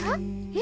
え？